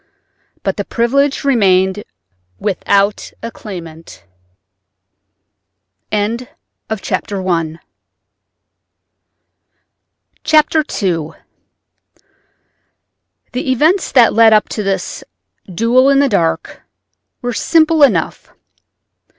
But the privilege remained without a claimant. II The events that led up to this "duel in the dark" were simple enough.